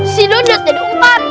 si dudut jadi umpar